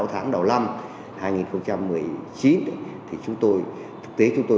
học động của khu phố